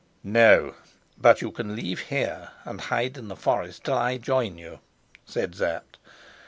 "No; but you can leave here and hide in the forest till I join you," said Sapt.